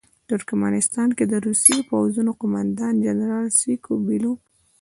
د ترکمنستان کې د روسي پوځونو قوماندان جنرال سکو بیلوف.